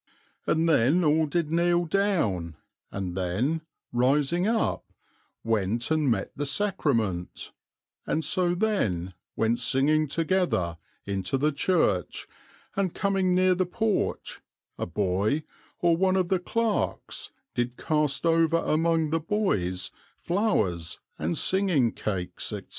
and then all did kneel down, and then, rising up, went and met the Sacrament, and so then, went singing together, into the Church, and coming near the Porch, a Boy, or one of the Clerks, did cast over among the Boys flowers, and singing cakes, &c."